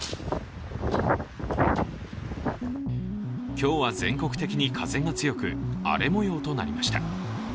今日は全国的に風が強く、荒れもようとなりました。